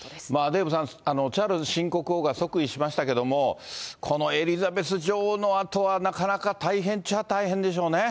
デーブさん、チャールズ新国王が即位しましたけども、このエリザベス女王のあとは、なかなか大変っちゃ大変でしょうね。